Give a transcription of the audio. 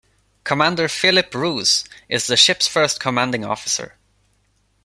Commander Philip Roos is the ship's first commanding officer.